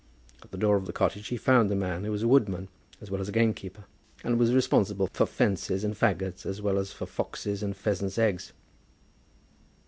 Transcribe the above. At the door of the cottage he found the man, who was woodman as well as gamekeeper, and was responsible for fences and faggots, as well as for foxes and pheasants' eggs.